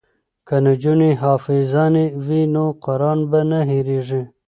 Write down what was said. که نجونې حافظانې وي نو قران به نه هیریږي.